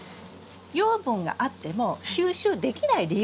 養分があっても吸収できない理由があります。